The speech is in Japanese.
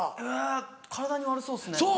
うん体に悪そうっすね。